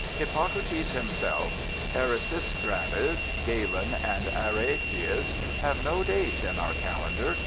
Hippocrates himself, Erasistratus, Galen, and Araetius have no days in our calendar.